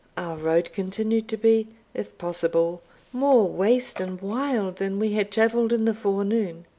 Our road continued to be, if possible, more waste and wild than that we had travelled in the forenoon.